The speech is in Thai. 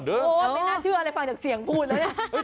ไม่น่าเชื่ออะไรฟังจากเสียงพูดแล้วเนี่ย